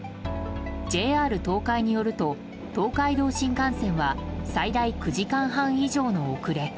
ＪＲ東海によると東海道新幹線は最大９時間半以上の遅れ。